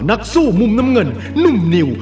นักสู้มุมน้ำเงินหนุ่มนิว